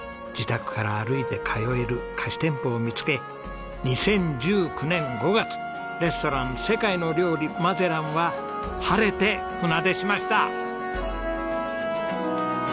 自宅から歩いて通える貸店舗を見つけ２０１９年５月レストラン世界の料理マゼランは晴れて船出しました。